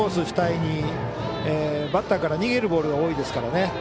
主体にバッターから逃げるボールが多いですからね。